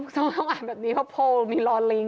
ต้องอ่านแบบนี้เพราะโพลมีลรลิงก์